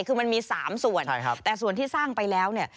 คือมันมี๓ส่วนแต่ส่วนที่สร้างไปแล้วเนี่ย